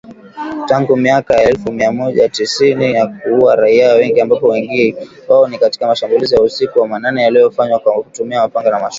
Tangu miaka ya elfu moja mia tisa tisini na kuua raia wengi ambapo wengi wao ni katika mashambulizi ya usiku wa manane yaliyofanywa kwa kutumia mapanga na mashoka